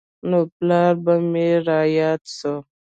نو پلار به مې راياد سو.